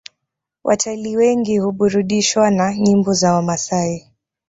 Watalii wengi huburudishwa na nyimbo za wamasai